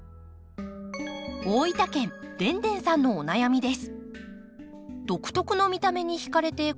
大分県でんでんさんのお悩みです。